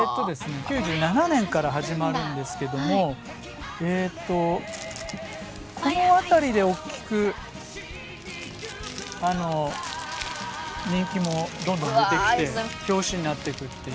９７年から始まるんですけどもえっとこの辺りで大きくあの人気もどんどん出てきて表紙になってくっていう。